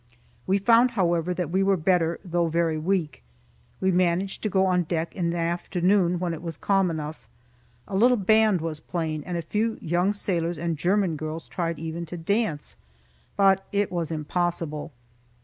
We found, however, that we were better, though very weak. We managed to go on deck in the afternoon, when it was calm enough. A little band was playing, and a few young sailors and German girls tried even to dance; but it was impossible.